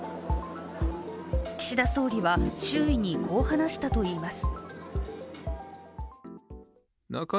岸田総理は、周囲にこう話したといいます。